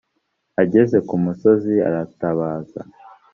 ageze ku musozi aratabaza